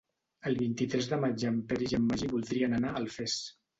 El vint-i-tres de maig en Peris i en Magí voldrien anar a Alfés.